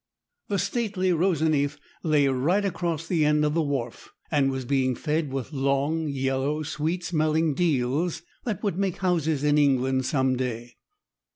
The stately Roseneath lay right across the end of the wharf, and was being fed with long, yellow, sweet smelling deals that would make houses in England some day.